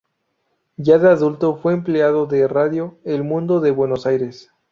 Ya de adulto, fue empleado de Radio El Mundo de Buenos Aires.